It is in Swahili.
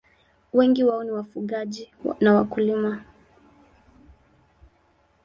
Wengi wao ni wafugaji na wakulima.